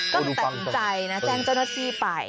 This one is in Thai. ก็ตั้งใจแจ้งเจ้าหน้าที่ไป